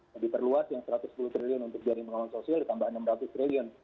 lebih perluas yang rp satu ratus sepuluh triliun untuk jaring pengawasan sosial ditambah rp enam ratus triliun